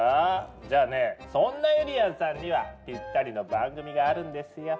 じゃあねそんなゆりやんさんにはぴったりの番組があるんですよ。